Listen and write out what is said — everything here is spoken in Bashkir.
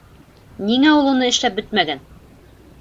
Ниңә ул уны эшләп бөтмәгән?!